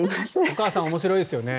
お母さん面白いですよね。